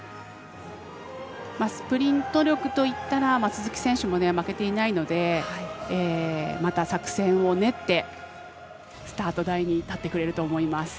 スプリント力といったら鈴木選手も負けていないので作戦を練って、スタート台に立ってくれると思います。